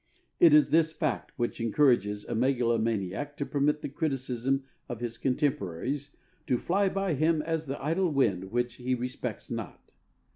It is this fact which encourages a megalomaniac to permit the criticism of his contemporaries to "fly by him as the idle wind which he respects not."